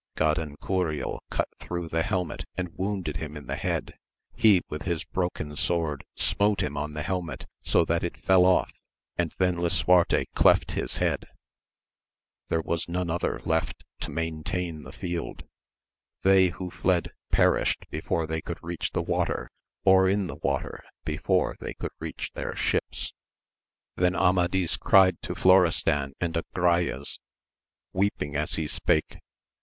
Gadancuriel cut through the helmet and wounded him in the head, he with his broken sword smote him on the helmet so that it fell o% and then Lisuarte clefb his head ; there was none other left to maintain the field : they who fled perished before they could reach the water, or in the water before they could reach their ships. Then Amadis cried to Florestan and Agrayes, weep ing as he spake.